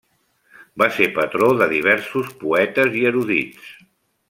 Va ser patró de diversos poetes i erudits.